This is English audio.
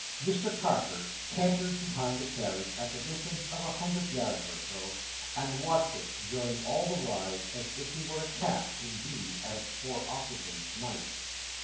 Mr Carker cantered behind the carriage at the distance of a hundred yards or so, and watched it, during all the ride, as if he were a cat, indeed, and its four occupants, mice.